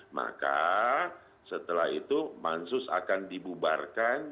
maka setelah itu pansus akan dibubarkan